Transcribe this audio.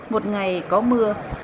một ngày có mưa